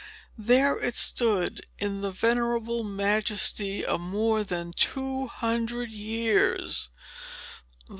There it stood, in the venerable majesty of more than two hundred years.